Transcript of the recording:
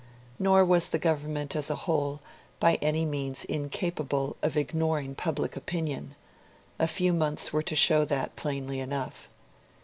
Nor was the Government as a whole by any means incapable of ignoring public opinion; a few months were to show that, plainly enough.